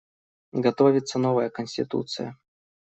Готовится новая Конституция.